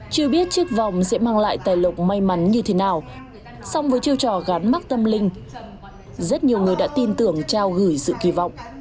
chưa biết chiếc vòng sẽ mang lại tài lộc may mắn như thế nào song với chiêu trò gắn mắc tâm linh rất nhiều người đã tin tưởng trao gửi sự kỳ vọng